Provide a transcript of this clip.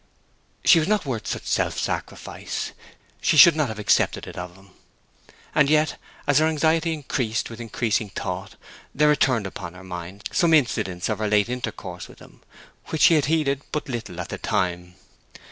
She was not worth such self sacrifice; she should not have accepted it of him. And then, as her anxiety increased with increasing thought, there returned upon her mind some incidents of her late intercourse with him, which she had heeded but little at the time.